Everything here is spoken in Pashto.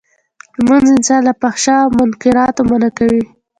لمونځ انسان له فحشا او منکراتو منعه کوی.